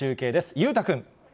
裕太君。